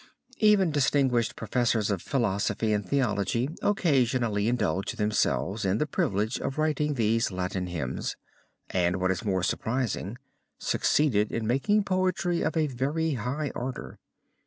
Even distinguished professors of philosophy and theology occasionally indulged themselves in the privilege of writing these Latin hymns and, what is more surprising, succeeded in making poetry of a very high order.